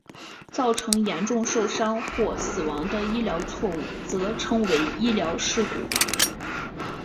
造成严重受伤或死亡的医疗错误则称为医疗事故。